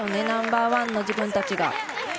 ナンバーワンの自分たちが。